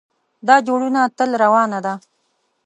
دا جوړونه تل روانه ده.